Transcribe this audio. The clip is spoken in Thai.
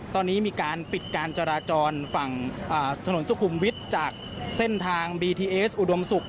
ตอนนี้มีการปิดการจราจรฝั่งถนนสุขุมวิทย์จากเส้นทางบีทีเอสอุดมศุกร์